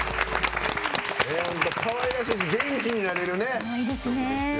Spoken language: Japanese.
かわいらしいし元気になれるね。